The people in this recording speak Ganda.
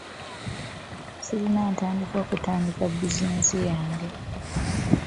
Sirina ntandikwa kutandika bizinensi yange.